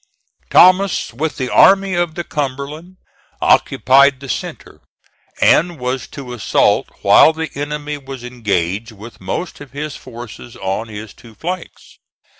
Thomas, with the Army of the Cumberland, occupied the centre, and was to assault while the enemy was engaged with most of his forces on his two flanks.